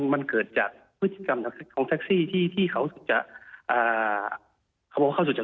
มันเกิดจากพฤติกรรมของเซ็กซี่ที่เขาสุดทน